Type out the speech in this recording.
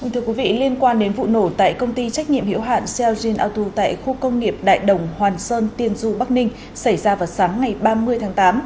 thưa quý vị liên quan đến vụ nổ tại công ty trách nhiệm hiệu hạn seogen autu tại khu công nghiệp đại đồng hoàn sơn tiên du bắc ninh xảy ra vào sáng ngày ba mươi tháng tám